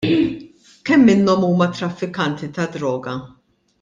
Kemm minnhom huma traffikanti ta' droga?